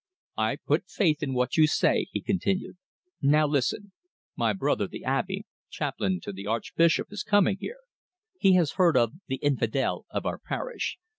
"I put faith in what you say," he continued. "Now listen. My brother, the Abbe, chaplain to the Archbishop, is coming here. He has heard of 'the infidel' of our parish.